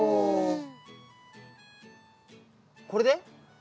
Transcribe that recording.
これで？